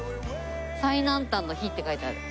「最南端の碑」って書いてある。